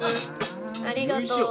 ありがとう